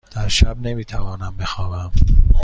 در شب نمی توانم بخوابم.